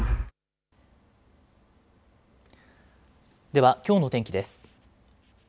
ではきょうの天気です。